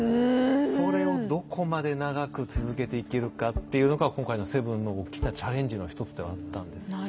それをどこまで長く続けていけるかっていうのが今回の「７」の大きなチャレンジの一つではあったんです。